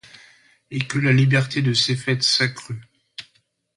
Et que la liberté de ces fêtes s’accrut